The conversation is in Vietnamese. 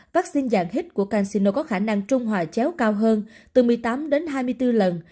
vaccine dạng hít của casino có khả năng trung hòa chéo cao hơn từ một mươi tám đến hai mươi bốn lần